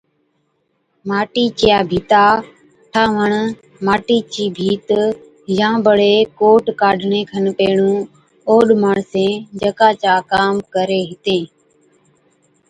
ماٽِي چِيا ڀِيتا ٺاهوَڻ، ماٽِي چِي ڀيت يان بڙي ڪوٽ ڪاڍڻي کن پيهڻُون اوڏ ماڻسين جڪا چا ڪام ڪرين هِتين